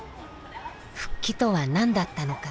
復帰とは何だったのか。